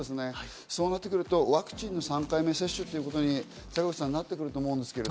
そうなってくると、ワクチン３回目接種ということになってくると思うんです。